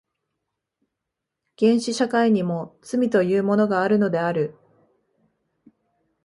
原始社会にも罪というものがあるのである。